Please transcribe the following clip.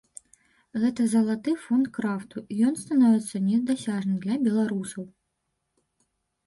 Гэта залаты фонд крафту, і ён становіцца недасяжны для беларусаў!